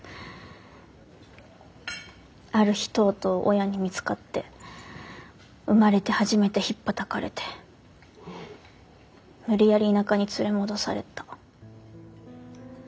ある日とうとう親に見つかって生まれて初めてひっぱたかれて無理やり田舎に連れ戻された。